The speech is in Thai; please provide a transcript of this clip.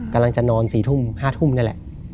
กำลังจะนอน๔ทุ่ม๕ทุ่มนั่นแหละ